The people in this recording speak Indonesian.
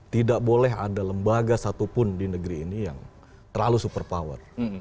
tidak boleh ada lembaga satupun di negeri ini yang terlalu super power